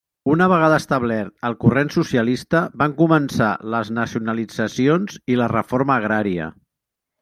Una vegada establert el corrent socialista, van començar les nacionalitzacions i la reforma agrària.